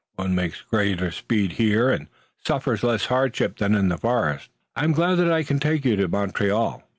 One makes greater speed here and suffers less hardship than in the forest." "I am glad that I can take you to Montreal."